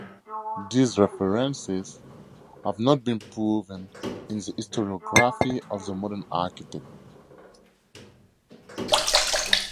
These references have not been proven in the historiography of the modern architect.